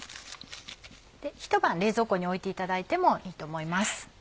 ひと晩冷蔵庫に置いていただいてもいいと思います。